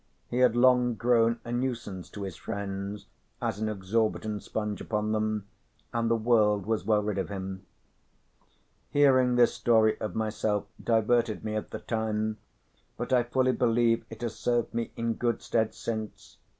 He had long grown a nuisance to his friends as an exorbitant sponge upon them, and the world was well rid of him. Hearing this story of myself diverted me at the time, but I fully believe it has served me in good stead since.